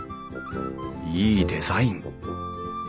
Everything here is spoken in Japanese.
いいデザイン！